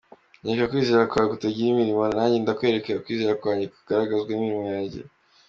" nyereka kwizera kwawe kutagira imirimo, nanjye ndakwereka kwizera kwanjye kugaragazwa n’imirimo yanjye.